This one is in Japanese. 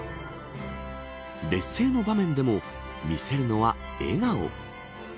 劣勢の場面でも見せるのは笑顔。